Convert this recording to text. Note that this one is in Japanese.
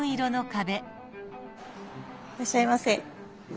いらっしゃいませ。